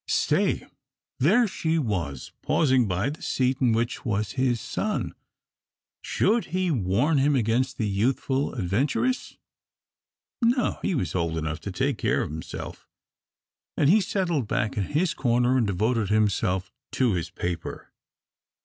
Stay there she was pausing by the seat in which was his son. Should he warn him against the youthful adventuress? No, he was old enough to take care of himself, and he settled back in his corner and devoted himself to his paper.